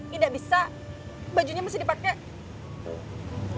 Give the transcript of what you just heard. tidak bisa bajunya mesti dipakai